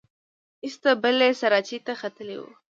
ایسته بلې سراچې ته ختلې وه.